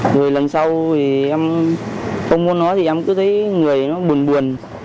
rồi lần sau thì em không muốn nói thì em cứ thấy người nó buồn buồn